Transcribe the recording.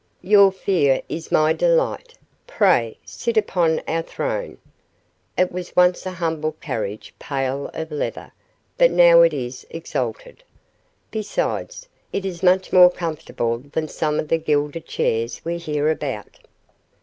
"Your fear is my delight. Pray sit upon our throne. It was once a humble carriage pail of leather, but now it is exalted. Besides, it is much more comfortable than some of the gilded chairs we hear about."